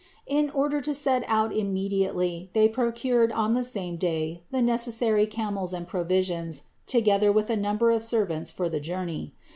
In order to set out immediately, they procured on the same day the necessary camels and provisions together with a number of servants for the journey.